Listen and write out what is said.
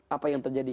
apa yang terjadi